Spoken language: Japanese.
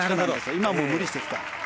今は無理してきた。